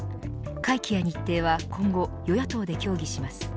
会期や日程は今後与野党で協議します。